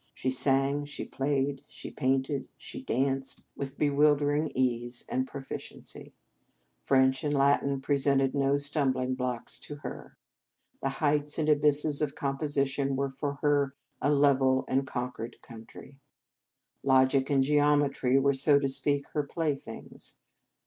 She sang, she played, she painted, she danced, with 240 The Game of Love bewildering ease and proficiency. French and Latin presented no stum bling blocks to her. The heights and abysses of composition were for her a level and conquered country. Logic and geometry were, so to speak, her playthings.